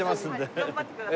はい頑張ってください。